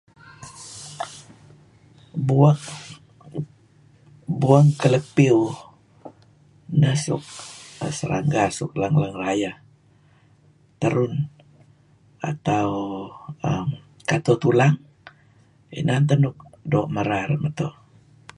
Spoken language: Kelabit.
Buweng. Buweng kelepiew, ineh suk serangga suk leng-ieng rayeh terun atau kato tulang. Inan teh nuk doo' merar meto'.